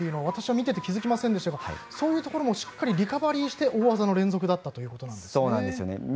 私は見ていて気付きませんでしたがそういうところもしっかりリカバリーして大技の連続だったんですね。